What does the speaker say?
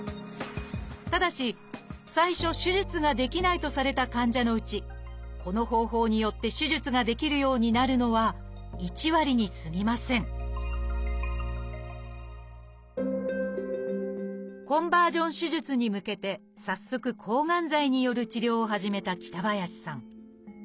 ただし最初手術ができないとされた患者のうちこの方法によって手術ができるようになるのは１割にすぎませんコンバージョン手術に向けて早速抗がん剤による治療を始めた北林さん。